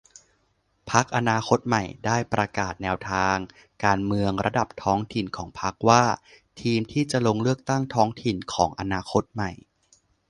พรรคอนาคตใหม่ได้ประกาศแนวทางการเมืองระดับท้องถิ่นของพรรคว่า ทีมที่จะลงเลือกตั้งท้องถิ่น ของอนาคตใหม่